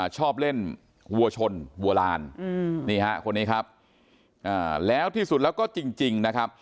ชอบเล่นวัวชนวัวลานนี่ฮะคนนี้ครับแล้วที่สุดแล้วก็จริงนะครับ